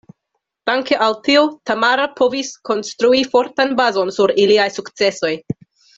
Danke al tio, Tamara povis konstrui fortan bazon sur iliaj sukcesoj.